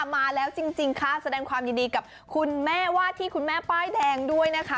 มาแล้วจริงค่ะแสดงความยินดีกับคุณแม่ว่าที่คุณแม่ป้ายแดงด้วยนะคะ